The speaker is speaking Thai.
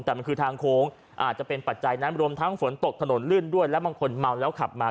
แต่มันคือทางโค้งอาจจะเป็นปัจจัยนั้นรวมทั้งฝนตกถนนลื่นด้วยและบางคนเมาแล้วขับมา